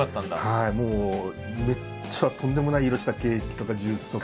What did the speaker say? はいもうめっちゃとんでもない色したケーキとかジュースとか。